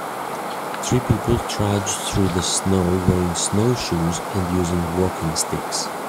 Three people trudge through the snow wearing snowshoes and using walking sticks.